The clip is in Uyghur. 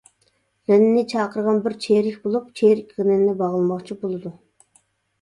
غېنىنى چاقىرغان بىر چېرىك بولۇپ، چېرىك غېنىنى باغلىماقچى بولىدۇ.